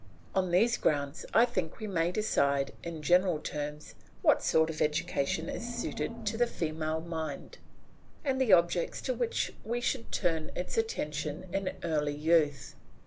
On these grounds I think we may decide in general terms what sort of education is suited to the female mind, and the objects to which we should turn its attention in early youth.